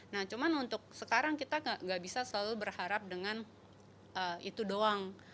nah cuman untuk sekarang kita nggak bisa selalu berharap dengan itu doang